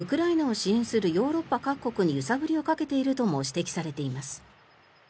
ロシア側がウクライナを支援するヨーロッパ各国に揺さぶりをかけているとも指摘されています。